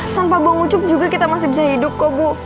tanpa buang ucup juga kita masih bisa hidup kok bu